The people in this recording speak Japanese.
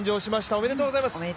おめでとうございます。